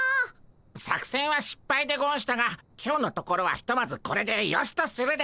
作戦はしっぱいでゴンしたが今日のところはひとまずこれでよしとするでゴンス。